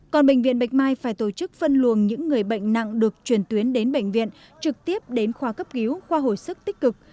còn bệnh viện bạch mai phải tổ chức phân luồng những người bệnh nặng được chuyển tuyến đến bệnh viện trực tiếp đến khoa cấp cứu khoa hồi sức tích cực